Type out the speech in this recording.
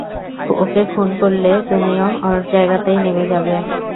ওকে খুন করলে তুমিও ওর জায়গাতেই নেমে যাবে।